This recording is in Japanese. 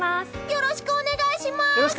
よろしくお願いします！